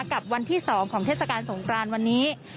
กับวันที่๒ของเทศกาลสงครานวันนี้